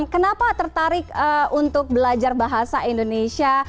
kenapa tertarik untuk belajar bahasa indonesia